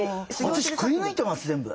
私くりぬいてます全部。